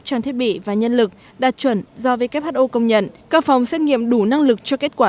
trang thiết bị và nhân lực đạt chuẩn do who công nhận các phòng xét nghiệm đủ năng lực cho kết quả